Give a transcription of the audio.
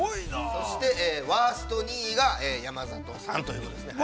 ◆そしてワースト２位が山里さんということですね。